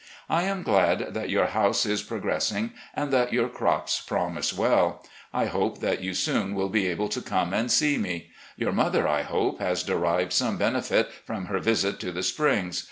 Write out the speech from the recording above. I am glad that your house is progressing and that your crops promise well. I hope that you soon will be able to come and see us. Your mother, I hope, has derived some benefit from her visit to the Springs.